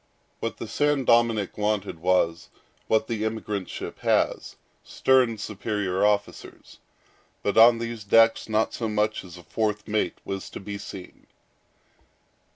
What the San Dominick wanted was, what the emigrant ship has, stern superior officers. But on these decks not so much as a fourth mate was to be seen.